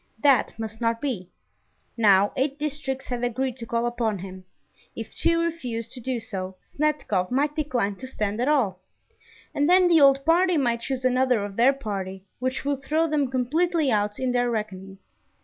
That must not be. Now eight districts had agreed to call upon him: if two refused to do so, Snetkov might decline to stand at all; and then the old party might choose another of their party, which would throw them completely out in their reckoning.